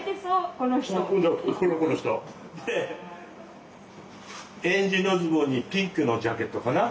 この人。でえんじのズボンにピンクのジャケットかな。